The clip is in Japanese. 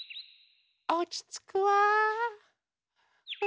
おちつくわ。